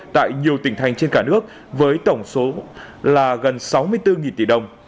tại nhiều tỉnh thành trên cả nước với tổng số là gần sáu mươi bốn tỷ đồng